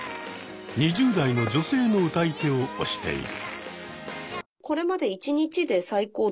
２０代の女性の歌い手を推している。